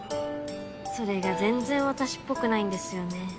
それが全然私っぽくないんですよね。